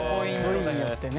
部位によってね。